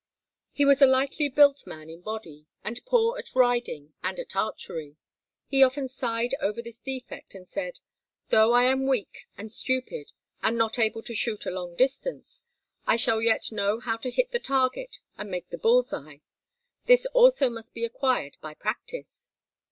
He was a lightly built man in body, and poor at riding and at archery. He often sighed over this defect, and said, "Though I am weak and stupid and not able to shoot a long distance, I shall yet know how to hit the target and make the bull's eye. This also must be acquired by practice."